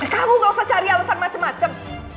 kamu gak usah cari alesan macem macem